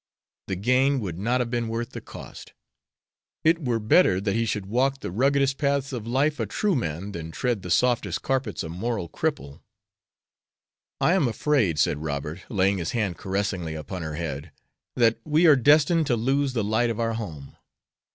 The gain would not have been worth the cost. It were better that he should walk the ruggedest paths of life a true man than tread the softest carpets a moral cripple." "I am afraid," said Robert, laying his hand caressingly upon her head, "that we are destined to lose the light of our home."